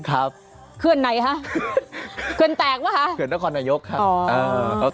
ครับเคลื่อนไหนฮะเคลื่อนแตกมั้ยฮะเคลื่อนต้องคอนโนโยคครับอ๋อ